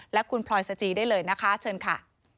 และคุณพลอยสจีได้เลยนะคะเชิญค่ะ